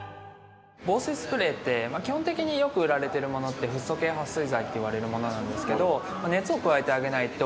防水スプレーって基本的によく売られているものってフッ素系はっ水剤っていわれるものなんですけど。